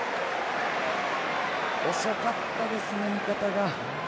遅かったですね、味方が。